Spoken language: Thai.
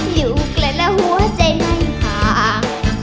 อยู่ใกล้แล้วหัวใจไม่ห่าง